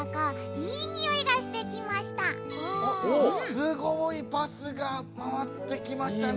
すごいパスが回ってきましたね。